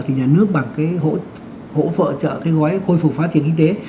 thì nhà nước bằng cái hỗ trợ cái gói khôi phục phát triển kinh tế